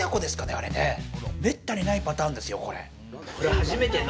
あれ、めったにないパターンですよ。